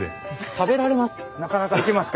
食べられます。